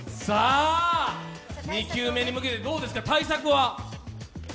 ２球目に向けてどうですか、対策は。